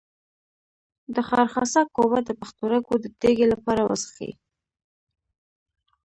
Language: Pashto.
د خارخاسک اوبه د پښتورګو د تیږې لپاره وڅښئ